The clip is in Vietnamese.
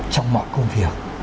trong mọi công việc